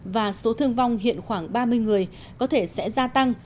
và số thương vong hiện khoảng ba mươi người có thể sẽ gia tăng